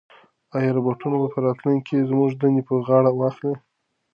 ایا روبوټونه به په راتلونکي کې زموږ دندې په غاړه واخلي؟